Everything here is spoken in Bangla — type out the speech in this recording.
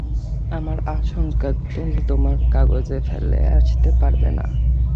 আমার আশঙ্কা, তুমি তোমার কাগজ ফেলে আসতে পারবে না।